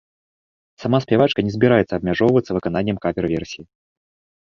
Сама спявачка не збіраецца абмяжоўвацца выкананнем кавер-версіі.